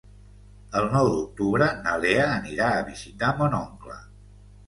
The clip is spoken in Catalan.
El nou d'octubre na Lea anirà a visitar mon oncle.